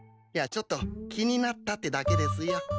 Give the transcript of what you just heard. いやちょっと気になったってだけですよ。